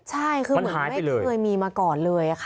ใช่คือเหมือนไม่เคยมีมาก่อนเลยค่ะ